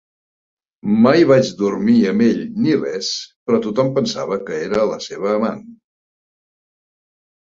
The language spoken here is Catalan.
Mai vaig dormir amb ell ni res, però tothom pensava que era la seva amant.